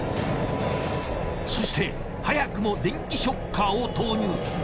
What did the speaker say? そして早くも電気ショッカーを投入。